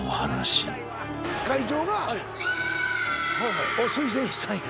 会長がを推薦したんや。